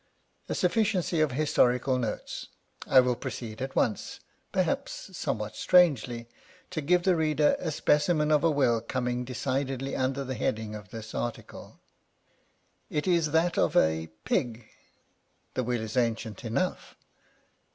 A sufficiency of historical notes. I will proceed at once — perhaps somewhat strangely — to give the reader a specimen of a will coming decidedly under the heading of this article. It is that of a Pig, The will is ancient enough.